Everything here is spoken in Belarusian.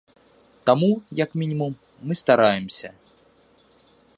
Таму, як мінімум, мы стараемся.